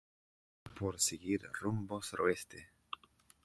pasa por seguir rumbo suroeste.